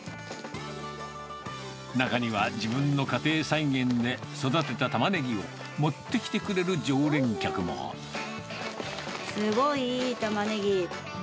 中には自分の家庭菜園で育てたタマネギを持ってきてくれる常連客すごいいいタマネギ。